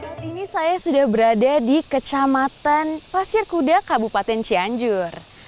saat ini saya sudah berada di kecamatan pasir kuda kabupaten cianjur